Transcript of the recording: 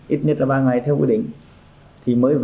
ít nhất là ba ngày theo quy định